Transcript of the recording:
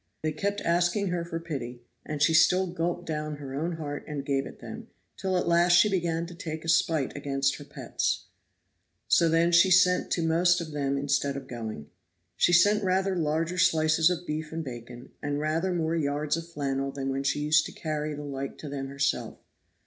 They kept asking her for pity, and she still gulped down her own heart and gave it them, till at last she began to take a spite against her pets; so then she sent to most of them instead of going. She sent rather larger slices of beef and bacon, and rather more yards of flannel than when she used to carry the like to them herself.